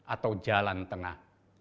atau jalan tengah